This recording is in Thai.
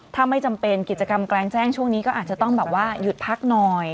ถ้าไม่จำเป็นกิจกรรมกลางแจ้งช่วงนี้ก็อาจจะต้องแบบว่าหยุดพักหน่อย